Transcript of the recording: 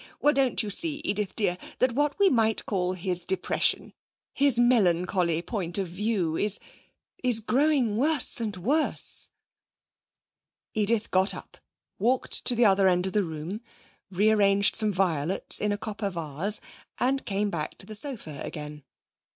Well, don't you see, Edith dear, that what we might call his depression, his melancholy point of view, is is growing worse and worse?' Edith got up, walked to the other end of the room, rearranged some violets in a copper vase and came back to the sofa again.